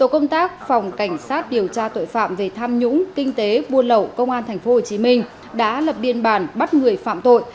các phòng cảnh sát điều tra tội phạm về tham nhũng kinh tế buôn lẩu công an tp hcm đã lập biên bản bắt người phạm tội